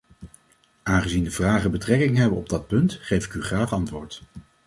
Aangezien de vragen betrekking hebben op dat punt, geef ik u graag antwoord.